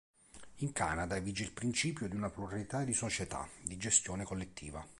In Canada vige il principio di una pluralità di società di gestione collettiva.